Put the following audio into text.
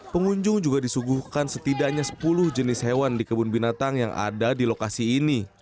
pengunjung juga disuguhkan setidaknya sepuluh jenis hewan di kebun binatang yang ada di lokasi ini